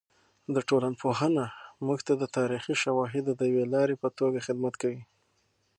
د ټولنپوهنه موږ ته د تاریخي شواهدو د یوې لارې په توګه خدمت کوي.